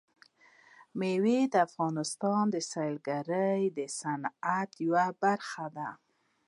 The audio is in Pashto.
مېوې د افغانستان د سیلګرۍ د صنعت یوه برخه ده.